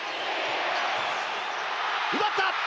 奪った！